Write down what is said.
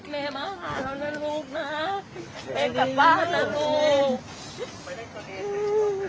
แม่มาหาเรานะลูกนะแม่กลับบ้านนะลูก